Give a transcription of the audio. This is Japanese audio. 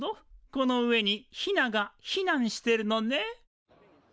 この上にヒナがひなんしてるのね。